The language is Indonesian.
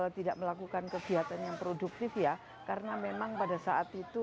tidak melakukan kegiatan yang produktif ya karena memang pada saat itu